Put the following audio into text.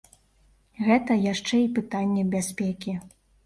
Гэта яшчэ і пытанне бяспекі.